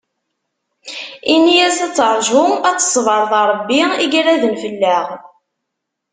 In-as ad terju, ad teṣber, d Rebbi i iraden fell-aɣ.